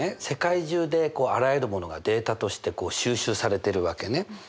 世界中であらゆるものがデータとして収集されてるわけね。